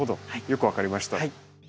よく分かりました。